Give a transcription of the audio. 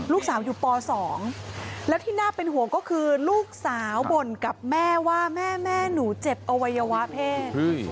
ลูกสาวอยู่ป๒แล้วที่น่าเป็นห่วงก็คือลูกสาวบ่นกับแม่ว่าแม่แม่หนูเจ็บอวัยวะเพศ